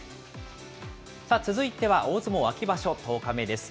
さあ、続いては大相撲秋場所１０日目です。